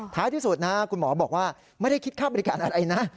ท้ายที่สุดนะคุณหมอบอกว่าไม่ได้คิดค่าบริการอะไรนะ